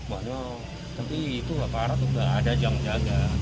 waduh tapi itu aparat udah ada jam jam